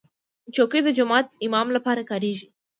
چوکۍ د جومات امام لپاره کارېږي.